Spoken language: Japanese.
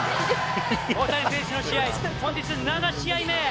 大谷選手の試合、本日で７試合目。